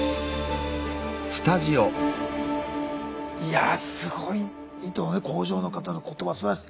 いやぁすごい糸の工場の方の言葉すばらしい。